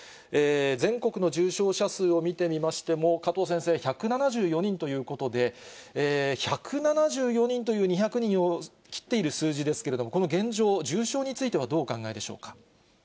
全国の重症者数を見てみましても、加藤先生、１７４人ということで、１７４人という、２００人を切っている数字ですけれども、この現状、重症についてはどうお考えでしょうか。